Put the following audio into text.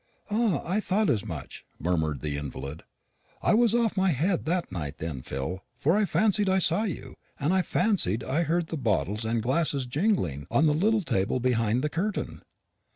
"Ah, I thought as much," murmured the invalid. "I was off my head that night then, Phil, for I fancied I saw you; and I fancied I heard the bottles and glasses jingling on the little table behind the curtain."